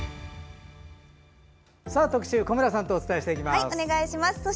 特集、小村さんとお伝えしていきます。